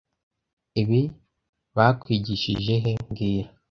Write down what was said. Ibi bakwigishije he mbwira